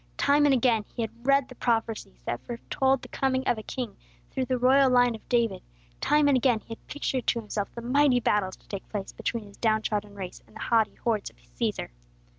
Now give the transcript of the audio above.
Time and again he had read the prophecies that foretold the coming of a king through the royal line of David; time and again he had pictured to himself the mighty battles to take place between his down trodden race and the haughty hordes of Cæsar.